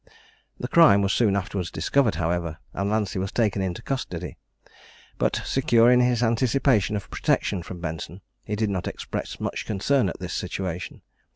The crime was soon afterwards discovered, however, and Lancey was taken into custody; but, secure in his anticipation of protection from Benson, he did not express much concern at his situation.